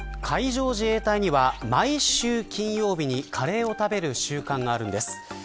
海上自衛隊には毎週金曜日にカレーを食べる習慣があるんです。